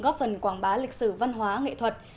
trình quảng bá lịch sử văn hóa nghệ thuật